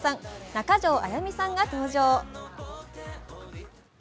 中条あやみさんが登場。